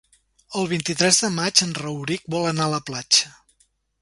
El vint-i-tres de maig en Rauric vol anar a la platja.